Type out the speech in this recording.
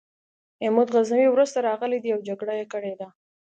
محمود غزنوي وروسته راغلی دی او جګړه یې کړې ده.